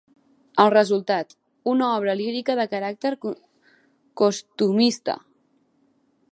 El resultat: una obra lírica de caràcter costumista.